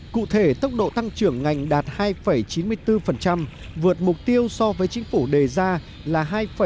cụ thể tốc độ tăng trưởng ngành đạt hai chín mươi bốn vượt mục tiêu so với chính phủ đề ra là hai tám